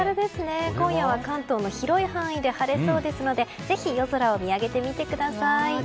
今夜は関東の広い範囲で晴れそうですのでぜひ夜空を見上げてみてください。